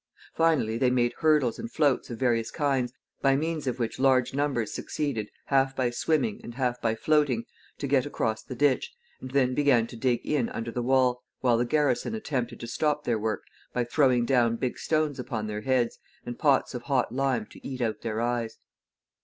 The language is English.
Finally, they made hurdles and floats of various kinds, by means of which large numbers succeeded, half by swimming and half by floating, to get across the ditch, and then began to dig in under the wall, while the garrison attempted to stop their work by throwing down big stones upon their heads, and pots of hot lime to eat out their eyes.